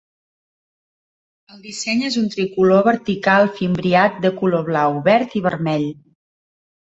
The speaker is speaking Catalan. El disseny és un tricolor vertical fimbriat de color blau, verd i vermell.